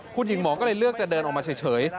คุณหญิงหมอก็เลยเลือกจะเดินออกมาเฉย